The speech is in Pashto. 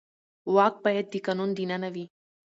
واک باید د قانون دننه وي